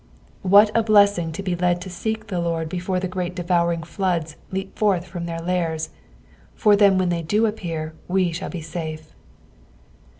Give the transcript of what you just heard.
What a blessing to be led to seek the Lord before the great devouring floods leap forth from their lairs, for then when they do appear we shall be safe.